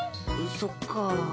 そっか。